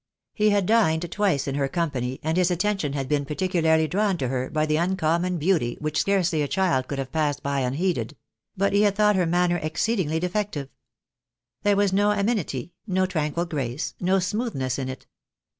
He had dined twice in her company, and his attention bad been particularly drawn to her by the uncommon beauty which scarcely a child could have passed by unheeded ; but he had thought her manner exceed ingly defective. There was no amenity, no tranquil grace, no smoothness in it.